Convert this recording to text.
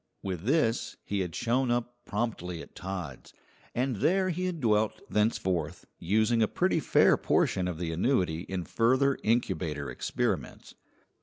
With this he had shown up promptly at Todd's, and there he had dwelt thenceforth, using a pretty fair portion of the annuity in further incubator experiments.